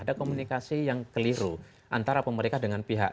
ada komunikasi yang keliru antara pemerintah dengan pihak